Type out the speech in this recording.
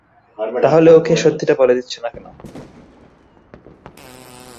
তাহলে ওকে সত্যিটা বলে দিচ্ছ না কেন?